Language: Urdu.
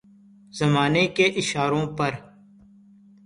زمانے کے اشاروں پر